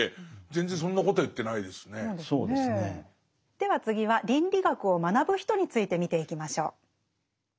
では次は倫理学を学ぶ人について見ていきましょう。